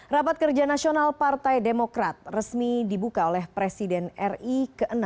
rapat kerja nasional partai demokrat resmi dibuka oleh presiden ri ke enam